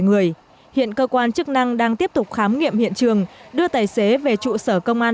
người hiện cơ quan chức năng đang tiếp tục khám nghiệm hiện trường đưa tài xế về trụ sở công an